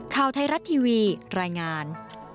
ข่าวไทยรัฐทีวีรายงาน